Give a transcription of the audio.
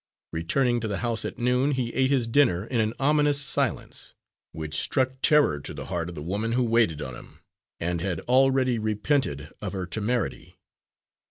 Returning to the house at noon, he ate his dinner in an ominous silence, which struck terror to the heart of the woman who waited on him and had already repented of her temerity.